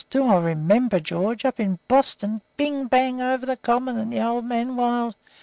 Do I remember, George? Up in Boston. Bing! bang! over the Common, and the Old Man wild!